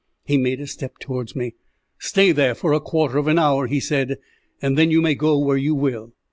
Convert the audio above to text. He made a step towards me. "Stay there for a quarter of an hour," he said, "and then you may go where you will."